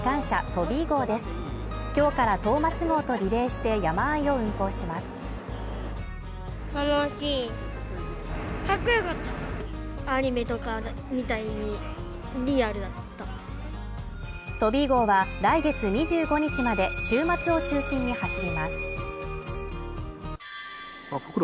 トビー号は来月２５日まで週末を中心に走ります